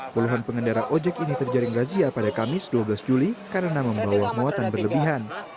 puluhan pengendara ojek ini terjaring razia pada kamis dua belas juli karena membawa muatan berlebihan